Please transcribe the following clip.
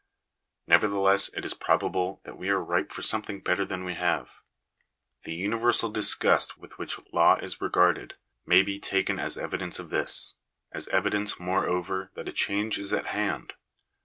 Nevertheless it is probable that we are ripe for something better than we have. The universal disgust with which law is regarded, may be taken as evidence of this — as evidence, moreover, that a change is at hand.